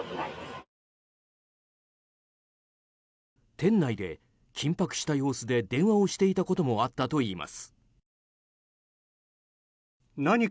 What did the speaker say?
店内で緊迫した様子で電話をしていたこともあったといいます。